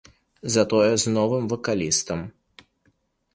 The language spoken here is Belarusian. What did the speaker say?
Затое з новым вакалістам.